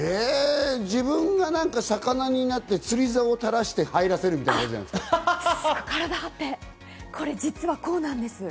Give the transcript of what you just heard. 自分が魚になって釣り竿をたらした入らせるみたいなことじゃないですか？